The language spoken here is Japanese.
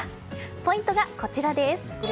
ポイントがこちらです。